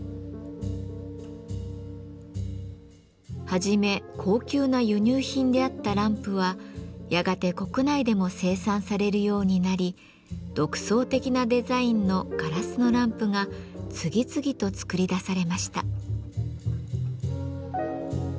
はじめ高級な輸入品であったランプはやがて国内でも生産されるようになり独創的なデザインのガラスのランプが次々と作り出されました。